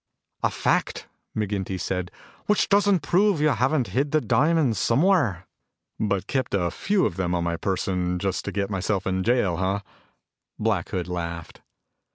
"A fact," McGinty said, "which doesn't prove you haven't hid the diamonds somewhere." "But kept a few of them on my person just to get myself in jail, huh?" Black Hood laughed.